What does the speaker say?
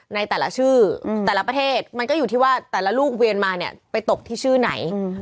ในแต่ละชื่อแต่ละประเทศมันก็อยู่ที่ว่าแต่ละลูกเวียนมาเนี่ยไปตกที่ชื่อไหน